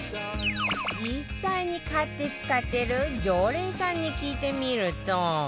実際に買って使ってる常連さんに聞いてみると